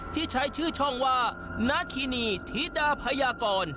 ที่ใช้ชื่อช่องว่านาคินีธิดาพญากร